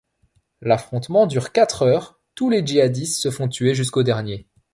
L'affrontement dure quatre heures, tous les djihadistes se font tuer jusqu'au dernier.